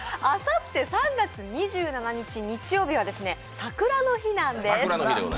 あさって３月２７日は「さくらの日」なんです。